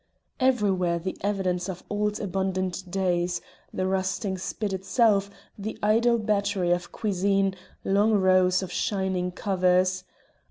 Everywhere the evidence of the old abundant days the rusting spit itself, the idle battery of cuisine, long rows of shining covers.